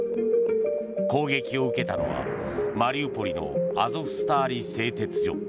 攻撃を受けたのはマリウポリのアゾフスターリ製鉄所。